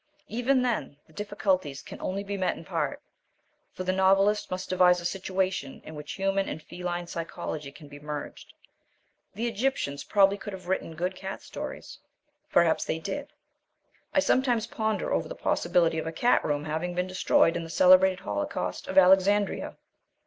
Even then the difficulties can only be met in part, for the novelist must devise a situation in which human and feline psychology can be merged. The Egyptians probably could have written good cat stories. Perhaps they did. I sometimes ponder over the possibility of a cat room having been destroyed in the celebrated holocaust of Alexandria.